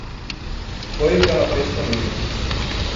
Foi o que ela fez comigo.